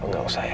gak usah ya